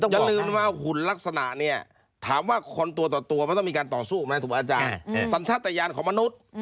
อย่าลืมว่าหุ่นลักษณะเนี่ยถามว่าคนตัวต่อตัวมันต้องมีการต่อสู้ไหมถูกไหมอาจารย์สัญชาติยานของมนุษย์